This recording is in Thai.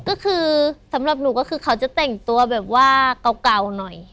ก็คือสำหรับหนูก็คือเขาจะแต่งตัวแบบว่าเก่าหน่อย